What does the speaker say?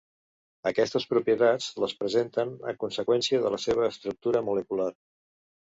Aquestes propietats les presenten a conseqüència de la seva estructura molecular.